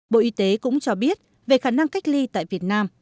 bộ y tế cũng cho biết về khả năng cách ly tại việt nam